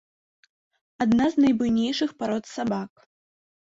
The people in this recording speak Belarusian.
Адна з найбуйнейшых парод сабак.